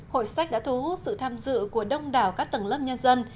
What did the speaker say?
hội sách đã thu hút sự tham dự của đông đảo các tầng lớp nhân dân